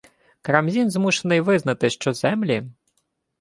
Карамзін змушений визнати, що землі